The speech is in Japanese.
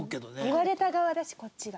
言われた側だしこっちが。